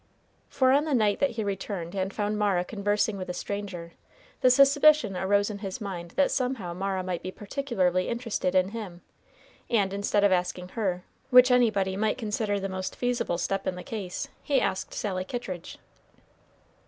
For on the night that he returned and found Mara conversing with a stranger, the suspicion arose in his mind that somehow Mara might be particularly interested in him, and instead of asking her, which anybody might consider the most feasible step in the case, he asked Sally Kittridge.